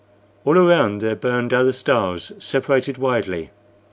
All around there burned other stars, separated widely.